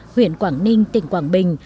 huyện quảng ninh tỉnh quảng bình